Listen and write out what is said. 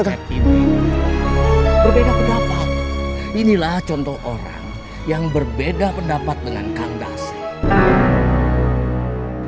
berbeda pendapat inilah contoh orang yang berbeda pendapat dengan kang dasi